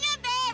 teri tunggu ter